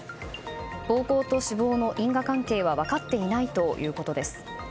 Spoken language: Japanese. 暴行と死亡の因果関係は分かっていないということです。